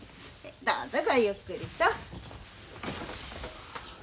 どうぞごゆっくりと。